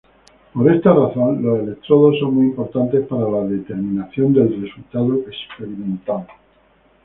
Por esta razón, los electrodos son muy importantes para la determinación del resultado experimental.